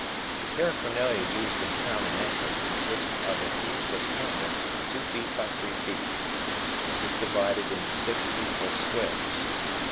The paraphernalia used in "Crown and Anchor" consists of a piece of canvas two feet by three feet. This is divided into six equal squares.